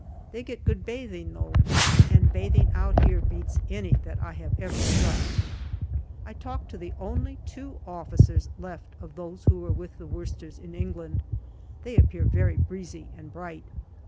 They get good bathing though, and bathing out here beats any that I have ever struck. I talk to the only two officers left of those who were with the Worcesters in England. They appear very breezy and bright.